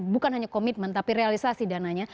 bukan hanya komitmen tapi realisasi dananya